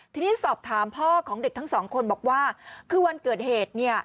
ทีนี้สอบถามพ่อของเด็กทั้งสองคนบอกว่าคือวันเกิดเหตุเนี่ย